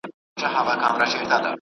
مچۍ له زعفرانو څخه عالي شات جوړوي.